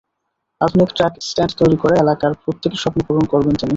আধুনিক truck stand তৈরি করে এলাকার প্রত্যেকের স্বপ্ন পূরণ করবেন তিনি।